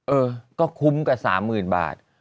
เออก็คุ้มกับ๓๐๐๐บาท